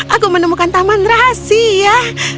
aku menemukan taman rahasia